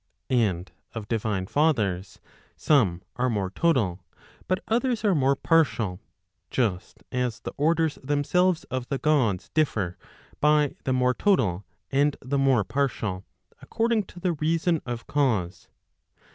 And of divine lathers, some are more total, but others are more partial, just as the orders themselves of the Gods, differ by the more total, and the more partial, according to the reason of cause.